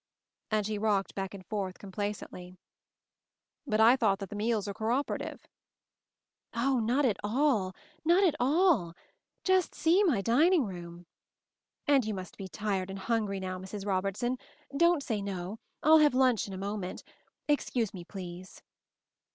And she rocked back and forth, complacently. "But I thought that the meals were co operative." "O, not at all — not at edit Just see my dining room! And you must be tired and hungry, now, Mrs. Robertson — don't say no! I'll have lunch in a moment. Excuse pie, please."